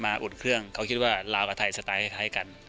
อุ่นเครื่องเขาคิดว่าลาวกับไทยสไตล์คล้ายกัน